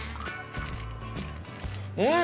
うん！